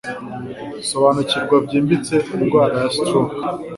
Sobanukirwa byimbitse indwara ya Stroke